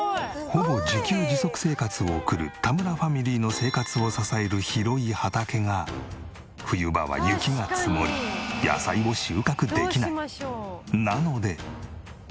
ほぼ自給自足生活を送る田村ファミリーの生活を支える広い畑が冬場は雪が積もりなので。